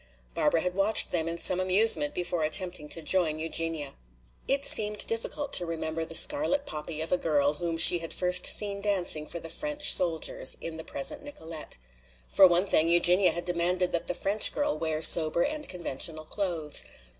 Barbara had watched them in some amusement before attempting to join Eugenia. It seemed difficult to remember the scarlet poppy of a girl whom she had first seen dancing for the French soldiers, in the present Nicolete. For one thing, Eugenia had demanded that the French girl wear sober and conventional clothes.